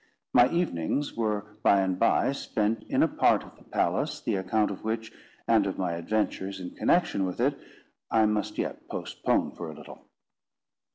My evenings were by and by spent in a part of the palace, the account of which, and of my adventures in connection with it, I must yet postpone for a little.